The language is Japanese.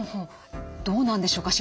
どうなんでしょうか？